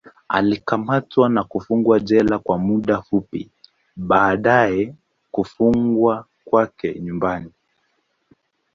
Alikamatwa na kufungwa jela kwa muda fupi, baadaye kufungwa kwake nyumbani.